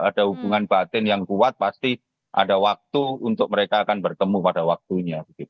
ada hubungan batin yang kuat pasti ada waktu untuk mereka akan bertemu pada waktunya